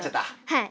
はい。